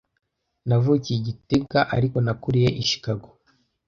Navukiye i gitega, ariko nakuriye i Chicago.